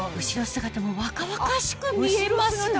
後ろ姿も若々しく見えます